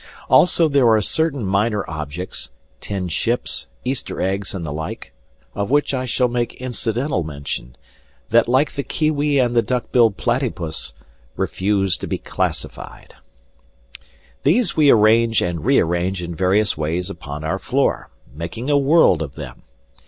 Also there are certain minor objects tin ships, Easter eggs, and the like of which I shall make incidental mention, that like the kiwi and the duck billed platypus refuse to be classified. These we arrange and rearrange in various ways upon our floor, making a world of them.